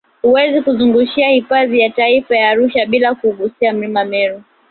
Huwezi kuzungumzia hifadhi ya taifa ya Arusha bila ya kuugusia mlima Meru